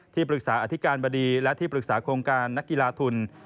ปรึกษาอธิการบดีและที่ปรึกษาโครงการนักกีฬาทุน